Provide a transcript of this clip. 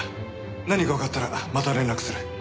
何かわかったらまた連絡する。